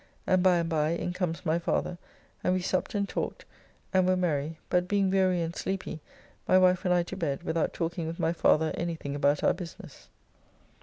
And by and by in comes my father, and we supped and talked and were merry, but being weary and sleepy my wife and I to bed without talking with my father anything about our business.